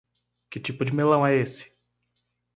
Que tipo de melão é esse?